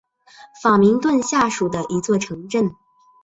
法明顿下属的一座城镇。